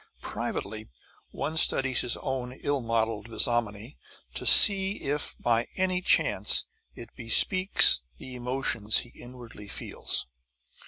Privately, one studies his own ill modeled visnomy to see if by any chance it bespeaks the emotions he inwardly feels.